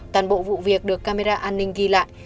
toàn bộ vụ việc được camera an ninh ghi lại